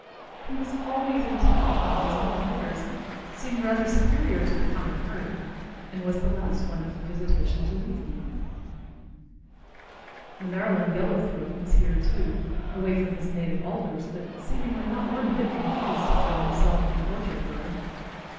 He was always intent upon his own affairs, seemed rather superior to the common herd, and was the last one of the visitation to leave me. The Maryland yellow throat was here, too, away from his native alders, but seemingly not one bit confused to find himself an orchard bird.